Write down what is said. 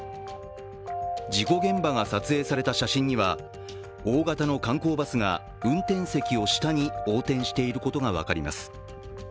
事故現場が撮影された写真には大型の観光バスが運転席を下に横転していることが分かります。